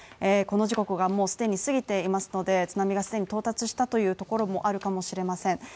この時刻がもう既に過ぎていますので、津波が既に到達したというところもあるかもしれません。